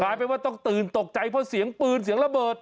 เป็นว่าต้องตื่นตกใจเพราะเสียงปืนเสียงระเบิด